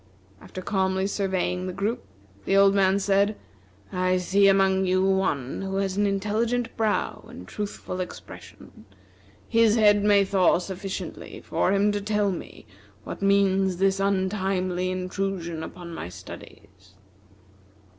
After calmly surveying the group, the old man said: "I see among you one who has an intelligent brow and truthful expression. His head may thaw sufficiently for him to tell me what means this untimely intrusion upon my studies."